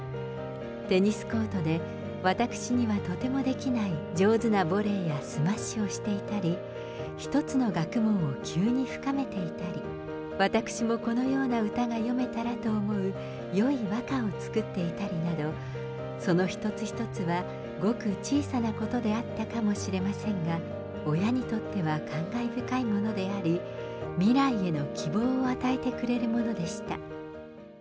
テニスコートで、私にはとてもできない上手なボレーやスマッシュをしていたり、一つの学問を急に深めていたり、私もこのような歌が詠めたらと思う、よい和歌を作っていたりなど、その一つ一つはごく小さなことであったかもしれませんが、親にとっては感慨深いものであり、未来への希望を与えてくれるものでした。